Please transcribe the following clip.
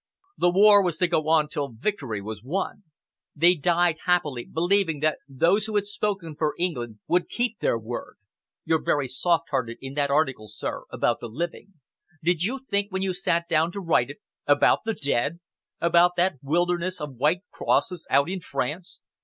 The war was to go on till victory was won.. They died happily, believing that those who had spoken for England would keep their word. You're very soft hearted in that article, sir, about the living. Did you think, when you sat down to write it, about the dead? about that wilderness of white crosses out in France?